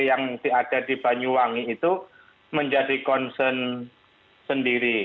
yang ada di banyuwangi itu menjadi concern sendiri